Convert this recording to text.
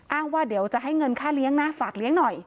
ว่าเดี๋ยวจะให้เงินค่าเลี้ยงนะฝากเลี้ยงหน่อย